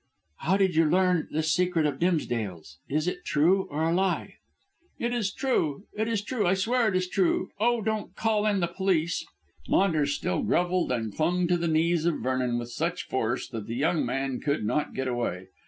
"How did you learn this secret of Dimsdale's? Is it true or a lie?" "It is true. It is true. I swear it is true. Oh, don't call in the police." Maunders still grovelled and clung to the knees of Vernon with such force that the young man could not get away.